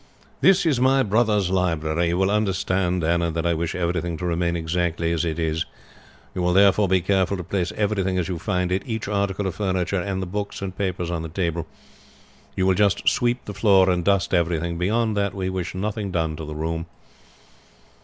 "This was my brother's library. You will understand, Anna, that I wish everything to remain exactly as it is. You will therefore be careful to place everything as you find it each article of furniture, and the books and papers on the table. You will just sweep the floor and dust everything. Beyond that we wish nothing done to the room."